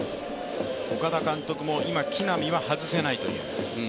岡田監督も今、木浪は外せないという。